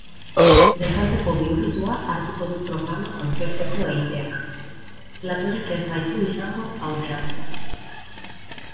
Dezenteko bihurritua hartuko du programa aurkezteko eiteak, platorik ez baitu izango aurrerantzean.